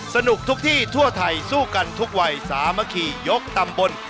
สนุกทุกที่ทั่วไทยสู้กันทุกวัยสามัคคียกตำบล